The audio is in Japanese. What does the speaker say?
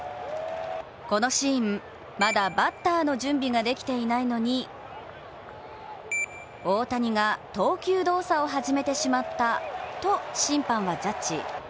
このシーン、まだバッター準備ができていないのに大谷が投球動作を始めてしまったと審判はジャッジ。